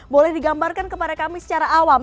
boleh digambarkan kepada kami secara awam